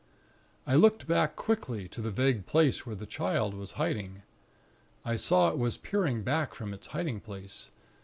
"I looked back quickly to the vague place where the Child was hiding. I saw it was peering back from its hiding place.